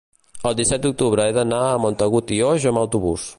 el disset d'octubre he d'anar a Montagut i Oix amb autobús.